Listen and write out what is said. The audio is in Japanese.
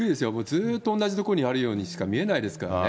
ずっと同じ所にあるようにしか見えないですからね。